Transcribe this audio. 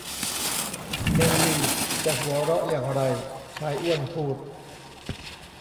เนลลีจะหัวเราะอย่างไร ชายอ้วนพูด